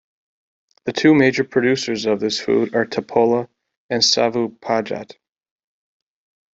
The two major producers of this food are Tapola and Savupojat.